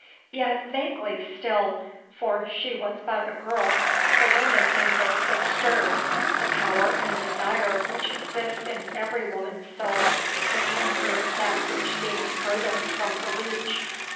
Yet vaguely still for she was but a girl the woman in her was stirred; the power and desire which exists in every woman's soul to conquer that which seems furthest from her reach.